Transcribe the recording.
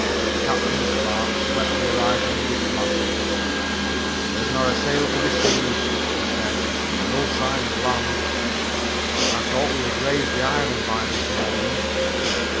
Captain Spark swept the horizon with his glasses. "There's not a sail to be seen," he said, "and no sign of land. I thought we would raise the island by this morning."